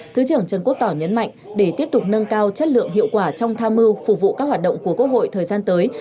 thứ trưởng trần quốc tỏ nhấn mạnh để tiếp tục nâng cao chất lượng hiệu quả trong tham mưu phục vụ các hoạt động của quốc hội thời gian tới